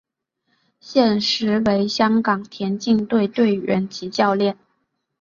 现时为香港田径队队员及教练。